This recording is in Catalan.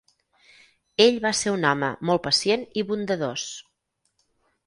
Ell va ser un home molt pacient i bondadós.